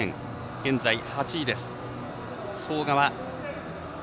現在８位です。